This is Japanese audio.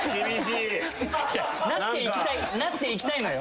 いやなっていきたいのよ。